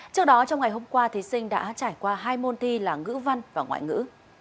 trước đó trong ngày hôm qua thí sinh đã trải qua hai môn thi là ngữ văn và ngoại ngữ